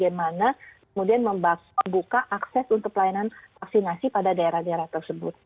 bagaimana kemudian membuka akses untuk pelayanan vaksinasi pada daerah daerah tersebut